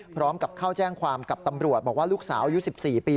พร้อมกับเข้าแจ้งความกับตำรวจบอกว่าลูกสาวอายุ๑๔ปี